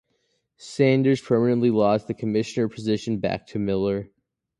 Sanders permanently lost the Commissioner position back to Miller.